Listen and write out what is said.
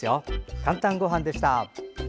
「かんたんごはん」でした。